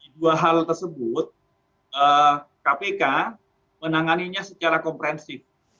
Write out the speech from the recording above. dua hal tersebut kpk menanganinya secara komprehensif